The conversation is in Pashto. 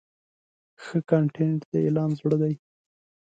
ښه کانټینټ د اعلان زړه دی.